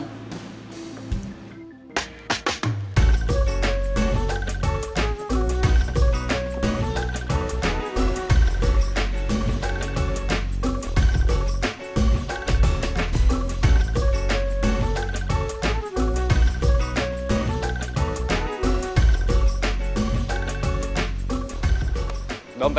ini selalu kuak